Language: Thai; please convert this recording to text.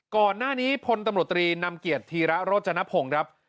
ก่อนหน้านี้พลตำรวจตรีนำเกียรติธีระโรจนพงศ์ครับ